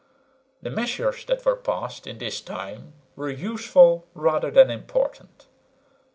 The measures that were passed in this time were useful rather than important.